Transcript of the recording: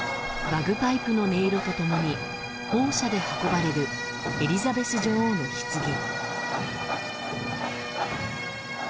バグパイプの音色と共に砲車で運ばれるエリザベス女王のひつぎ。